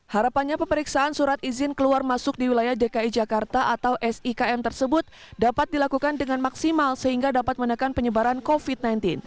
harapannya pemeriksaan surat izin keluar masuk di wilayah dki jakarta atau sikm tersebut dapat dilakukan dengan maksimal sehingga dapat menekan penyebaran covid sembilan belas